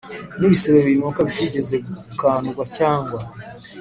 N ibisebe binuka bitigeze gukandwa cyangwa